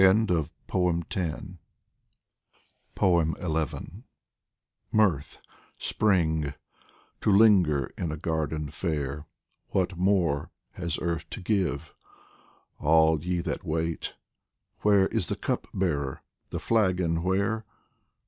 78 DIVAN OF HAFIZ XI MIRTH, Spring, to linger in a garden fair, What more has earth to give ? All ye that wait, Where is the Cup bearer, the flagon where